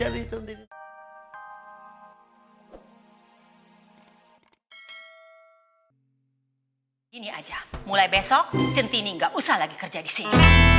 mulai besok centini gak usah lagi kerja disini